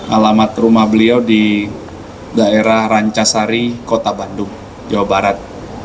alamat rumah beliau di daerah rancasari kota bandung jawa barat